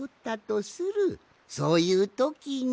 そういうときに。